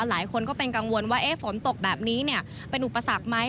หลายคนก็เป็นกังวลว่าฝนตกแบบนี้เป็นอุปสรรคไหม